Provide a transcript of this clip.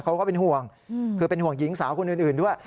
เขาก็เป็นห่วงคือเป็นห่วงหญิงสาวคนอื่นด้วย